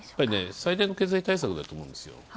最大の経済対策だと思うんですよ。